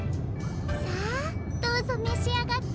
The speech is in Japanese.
さあどうぞめしあがって。